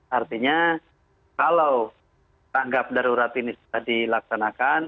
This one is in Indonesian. artinya kalau tanggap darurat ini sudah dilaksanakan